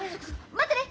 待ってね。